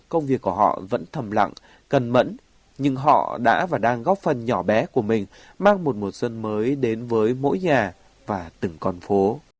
công việc của họ vẫn thầm lặng cẩn mẫn nhưng họ đã và đang góp phần nhỏ bé của mình mang một mùa xuân mới đến với mỗi nhà và từng con phố